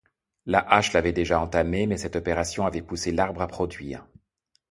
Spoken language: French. La hache l'avait déjà entamé mais cette opération avait poussé l'arbre à produire.